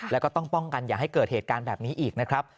แล้วก็ต้องป้องกันอย่าให้เกิดเหตุการณ์แบบนี้อีกนะครับ